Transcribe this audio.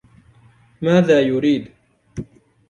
ماذا يريد ؟